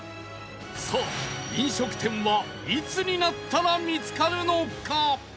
さあ飲食店はいつになったら見つかるのか？